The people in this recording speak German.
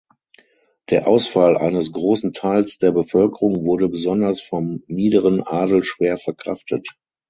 Der Ausfall eines großen Teils der Bevölkerung wurde besonders vom niederen Adel schwer verkraftet.